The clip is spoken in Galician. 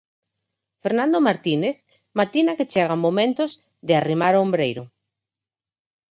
Fernando Martínez matina que chegan momentos de "arrimar o ombreiro".